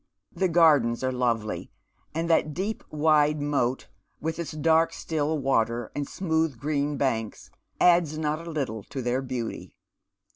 The gardens are lovely, and that deep wide moat, with its dark still water and smooth green banks, adds not a little to their beauty.